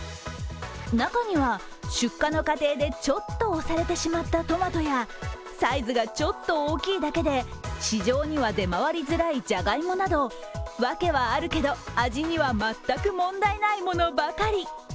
中には、出荷の過程でちょっと押されてしまったトマトやサイズがちょっと大きいだけで市場には出回りづらいじゃがいもなど、訳はあるけど味には全く問題ないものばかり。